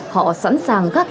họ sẵn sàng gắt lấy bác sĩ